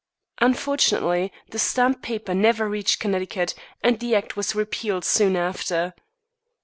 Fortunately, the stamped paper never reached Connecticut, and the act was repealed soon after.